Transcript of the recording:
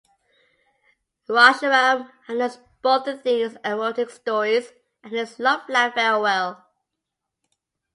Rajaram handles both the thing his erotic stories and his love life very well.